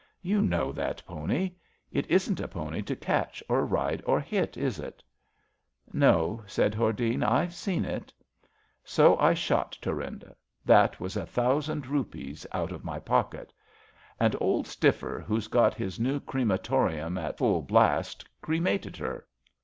You know that pony. It isn't a pony to catch or ride or hit, is it? "'' No," said Hordene; '' I've seen it." '' So I SLEIPNEE,^^ LATE ^^THUEINDA 145 shot Thurinda; that was a thousand rupees out of my pocket And old Stiffer, who's got his new crematorium in full blast, cremated her.